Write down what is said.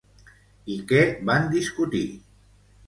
I què van discutir?